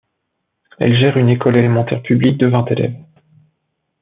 Elle gère une école élémentaire publique de vingt élèves.